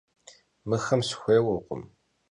Mıxem sxuêykhım.